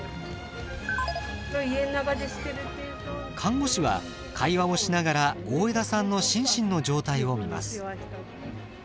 看護師は会話をしながら大枝さんの心身の状態を診ます。